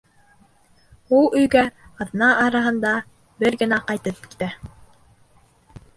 Ул өйгә аҙна араһында бер генә ҡайтып китә.